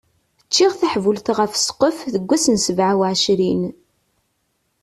Ččiɣ taḥbult ɣef sqef deg wass n sebɛa uɛecrin.